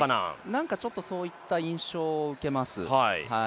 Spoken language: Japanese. なんか、ちょっとそういった印象を受けます。